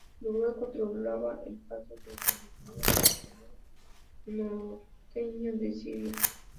El lugar controlaba el paso desde Anatolia a la llanura norteña de Siria.